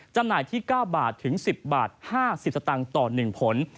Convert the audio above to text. จำหน่ายที่๙บาทถึง๑๐บาท๕๐สตางค์ต่อ๑ผล